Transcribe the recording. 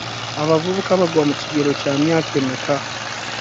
Abavubuka bagwa mu kigero kya myaka emeka?